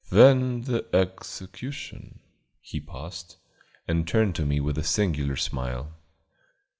"When the execution" He paused and turned to me with a singular smile.